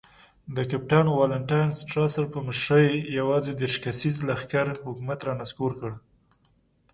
د کپټان والنټاین سټراسر په مشرۍ یوازې دېرش کسیز لښکر حکومت را نسکور کړ.